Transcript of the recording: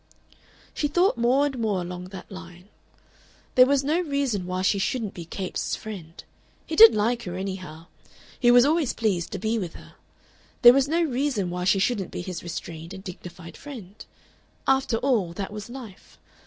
She thought more and more along that line. There was no reason why she shouldn't be Capes' friend. He did like her, anyhow; he was always pleased to be with her. There was no reason why she shouldn't be his restrained and dignified friend. After all, that was life.